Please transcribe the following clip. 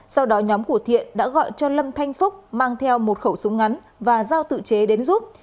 sau đó nhóm của thiện đã gọi cho lâm thanh phúc mang theo một khẩu súng ngắn và giao tự chế đến giúp